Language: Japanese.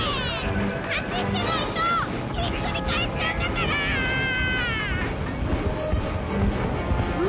走ってないとひっくり返っちゃうんだからー！ん？